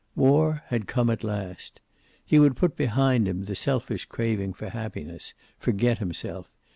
War had come at last. He would put behind him the selfish craving for happiness, forget himself.